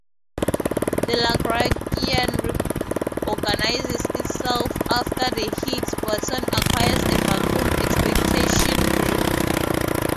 The Lagrangian reorganizes itself after the Higgs boson acquires a vacuum expectation value.